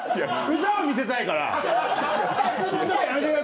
歌を見せたいから。